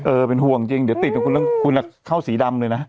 เออเป็นห่วงจริงจริงเดี๋ยวติดก็เข้าสีดำเลยนะ